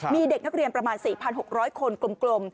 มีเด็กนักเรียนประมาณ๔๖๐๐คนกลม